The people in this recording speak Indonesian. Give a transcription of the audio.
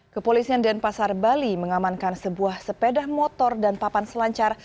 kepolisian denpasar bali mengamankan sebuah sepeda motor dan papan selancar